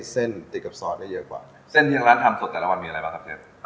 เส้นที่ทางร้านทำสดแต่ละวันมีอะไรบ้างครับเจฟ